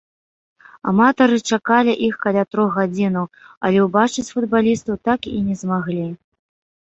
Аматары чакалі іх каля трох гадзінаў, але ўбачыць футбалістаў так і не змаглі.